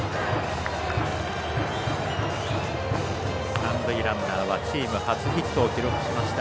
三塁ランナーはチーム初ヒットを記録しました